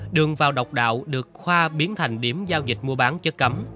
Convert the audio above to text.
đường vào độc đạo được khoa biến thành điểm giao dịch mua bán chất cấm